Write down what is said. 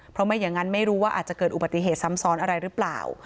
เพราะไม่อย่างนั้นไม่รู้ว่าอาจจะเกิดอุบัติเหตุซ้ำซ้อนอะไรหรือเปล่า